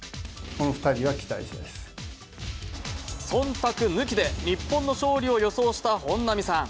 忖度抜きで日本の勝利を予想した本並さん。